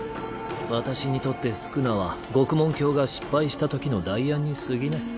私にとって宿儺は獄門疆が失敗したときの代案にすぎない。